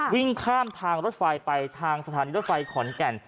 วิ่งข้ามทางรถไฟไปทางสถานีรถไฟขอนแก่น